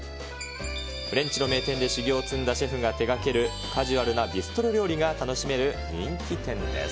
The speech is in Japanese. フレンチの名店で修業を積んだシェフが手がけるカジュアルなビストロ料理が楽しめる人気店です。